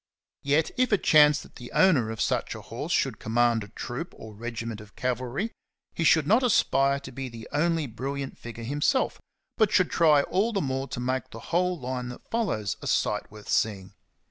Yet if it chance that the owner of such a horse should command a troop 57 or regiment of cavalry, he should not aspire to be the only brilliant figure himself, but should try all the more to make the whole line that follows a sight worth seeing.